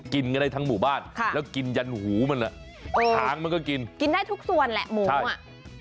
กินกันได้ทั้งหมู่บ้านแล้วกินยันหูมันอ่ะหางมันก็กินกินได้ทุกส่วนแหละหมูอ่ะ